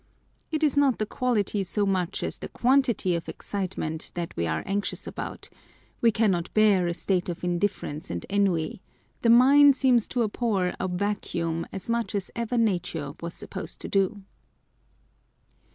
It is not the quality so much as the quantity of excitement that we are anxious about : we cannot bear a state of indifference and ennui : the mind seems to abhor a vacuum as much as ever nature1 was supposed to do.